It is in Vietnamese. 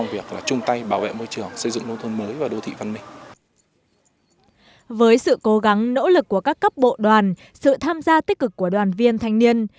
với sự cố gắng nỗ lực của các cấp bộ đoàn sự tham gia tích cực của đoàn viên thanh niên